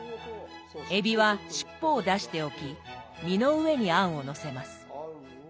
えびは尻尾を出しておき身の上に餡をのせます。